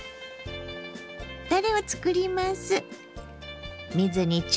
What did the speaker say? たれをつくります。